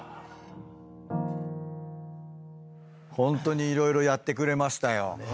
ホントに色々やってくれましたよ。